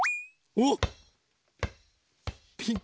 おっ。